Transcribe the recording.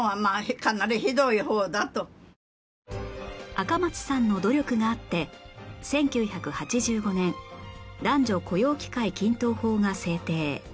赤松さんの努力があって１９８５年男女雇用機会均等法が制定